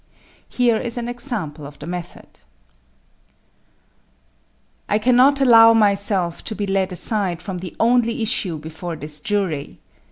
Here is an example of the method: I cannot allow myself to be led aside from the only issue before this jury.